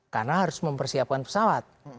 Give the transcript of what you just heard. karena harus mempersiapkan pesawat